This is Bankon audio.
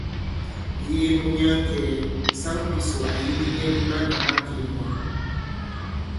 Ŋ̀yee mu myaŋkɛ̄ɛ̄, saŋ Pǐsò ǎ yīgī nyɛ i mandàmakè mwǎ.